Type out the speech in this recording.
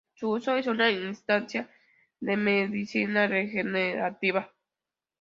Su uso es una instancia de medicina regenerativa.